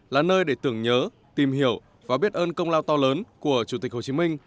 là nơi để tưởng nhớ tìm hiểu và biết ơn công lao to lớn của chủ tịch hồ chí minh